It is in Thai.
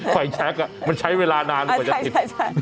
ไฟแชคมันใช้เวลานานกว่าจะปิด